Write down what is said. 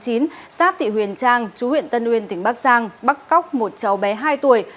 giáp thị huyền trang chú huyện tân uyên tỉnh bắc giang bắt cóc một cháu bé hai tuổi